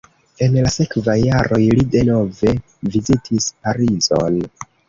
En la sekvaj jaroj li denove vizitis Parizon.